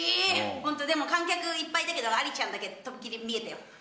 本当、でも観客、いっぱいいたけど、ありちゃんだけ、とびきり見えたよ。